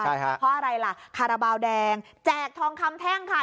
ใช่ฮะเพราะอะไรล่ะคาราบาลแดงแจกทองคำแท่งค่ะ